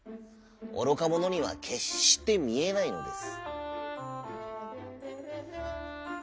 おろかものにはけっしてみえないのです」。